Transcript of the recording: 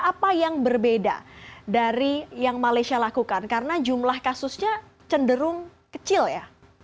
apa yang berbeda dari yang malaysia lakukan karena jumlah kasusnya cenderung kecil ya